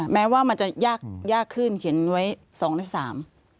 แม้ว่ามันจะมาได้ยากคืนเขียนไว้๒แล้ว๓